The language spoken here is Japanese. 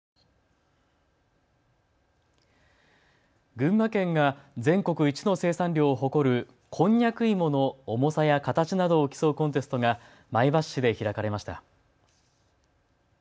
群馬県が全国一の生産量を誇るこんにゃく芋の重さや形などを競うコンテストが前橋市で開かれました。